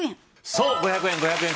そう５００円５００円